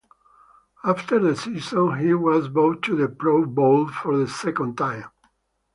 After the season, he was voted to the Pro Bowl for the second time.